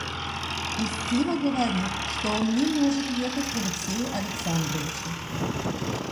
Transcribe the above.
И Стива говорит, что он не может ехать к Алексею Александровичу.